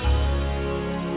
dengan fadil hancur berantakan